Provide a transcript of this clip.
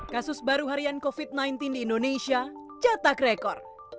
kasus baru harian covid sembilan belas di indonesia catak rekor